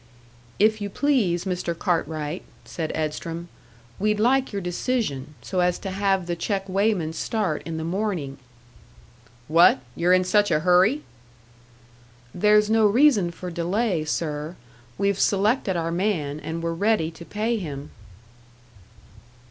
"If you please, Mr. Cartwright," said Edstrom, "we'd like your decision, so as to have the check weighman start in the morning." "What? You're in such a hurry?" "There's no reason for delay, sir. We've selected our man, and we're ready to pay him."